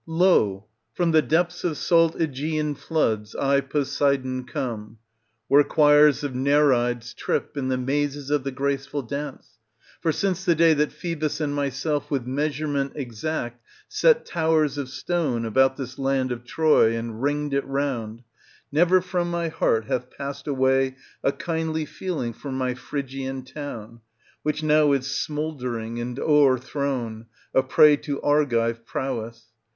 Lo ! from the depths of salt JEgean floods I, Posei don, come, where choirs of Nereids trip in the mazes of the graceful dance ; for since the day that Phoebus and myself with measurement exact set towers of stone about this land of Troy and ringed it round, never from my heart hath passed away a kindly feeling for my Phrygian town, which now is smouldering and overthrown, a prey to Argive prowess.